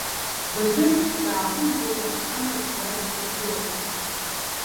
Баҭыр дааҟәымҵӡакәа амаҵ зуаз дырхылаԥшын.